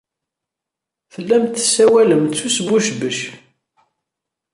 Tellamt tessawalemt s usbucbec.